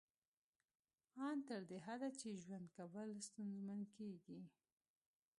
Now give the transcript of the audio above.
ان تر دې حده چې ژوند کول ستونزمن کیږي